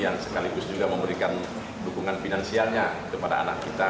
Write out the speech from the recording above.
yang sekaligus juga memberikan dukungan finansialnya kepada anak kita